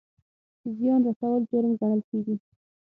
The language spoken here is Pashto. زیان رسول جرم ګڼل کیږي